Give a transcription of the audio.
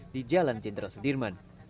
di jalan jenderal sudirman